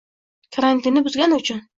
karantinni buzgani uchun